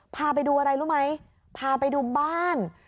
พาไปดูอะไรรู้ไหมพาไปดูบ้าน